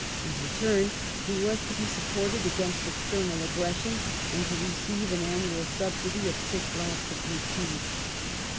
In return he was to be supported against external aggression and to receive an annual subsidy of six lacs of rupees.